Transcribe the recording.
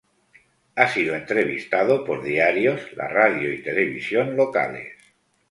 Ha sido entrevistado por diarios, la radio y televisión locales.